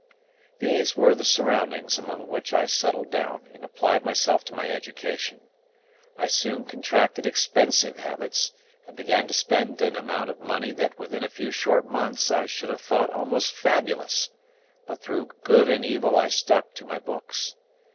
These were the surroundings among which I settled down, and applied myself to my education. I soon contracted expensive habits, and began to spend an amount of money that within a few short months I should have thought almost fabulous; but through good and evil I stuck to my books.